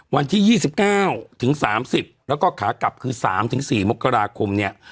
วันที่๒๙ถึง๓๐แล้วก็ขากลับคือ๓๔มกราคมเนี่ย